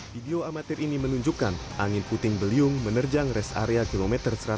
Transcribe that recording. video amatir ini menunjukkan angin puting beliung menerjang res area kilometer satu ratus enam puluh